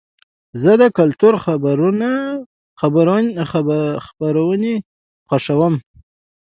زه د کلتور خپرونې خوښوم.